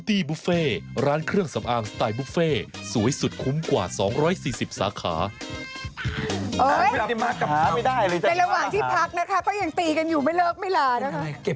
ในระหว่างที่พักนะคะก็ยังตีกันอยู่ไม่เลิกไม่ลานะคะ